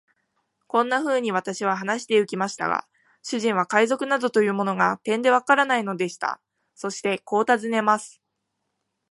こんなふうに私は話してゆきましたが、主人は海賊などというものが、てんでわからないのでした。そしてこう尋ねます。